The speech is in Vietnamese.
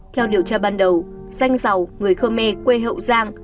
theo điều tra ban đầu danh giàu người khơ me quê hậu giang